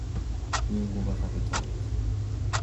りんごが食べたい